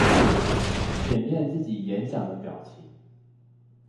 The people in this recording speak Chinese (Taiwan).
演練自己演講的表情